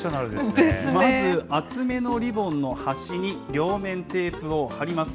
まず厚めのリボンの端に両面テープを貼ります。